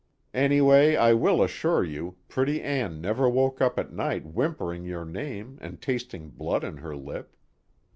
Anyway I will assure you, pretty Ann never woke up at night whimpering your name and tasting blood on her lip.